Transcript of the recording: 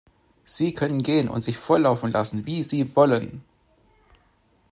Sie können gehen und sich voll laufen lassen, wie Sie wollen.